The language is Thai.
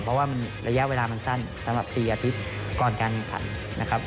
เพราะว่าระยะเวลามันสั้นสำหรับ๔อาทิตย์ก่อนการแข่งขันนะครับ